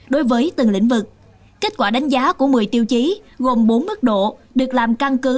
đối với từng lĩnh vực kết quả đánh giá của một mươi tiêu chí gồm bốn mức độ được làm căn cứ